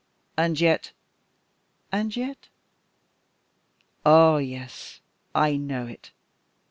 "And yet " "And yet?" "Ah! yes, I know it.